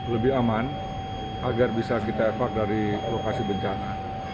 lebih aman agar bisa kita evakuasi dari lokasi bencana